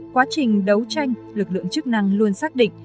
quá trình đấu tranh lực lượng chức năng luôn xác định